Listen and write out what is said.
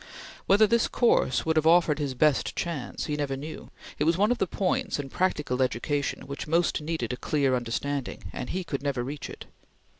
Whether this course would have offered his best chance he never knew; it was one of the points in practical education which most needed a clear understanding, and he could never reach it.